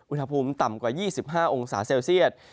อุณหภูมิต่ำกว่า๒๕องศาเซลเซียต